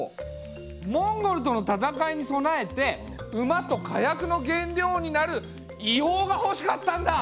モンゴルとの戦いに備えて馬と火薬の原料になる硫黄がほしかったんだ！